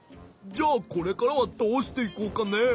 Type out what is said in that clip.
じゃあこれからはどうしていこうかねえ？